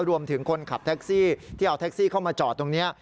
คนขับแท็กซี่ที่เอาแท็กซี่เข้ามาจอดตรงนี้